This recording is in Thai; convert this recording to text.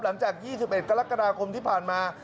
หลังจาก๒๑กรกฎาคมที่ผ่านมา